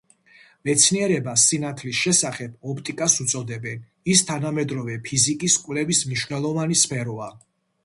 მეცნიერებას სინათლის შესახებ ოპტიკას უწოდებენ, ის თანამედროვე ფიზიკის კვლევის მნიშვნელოვანი სფეროა.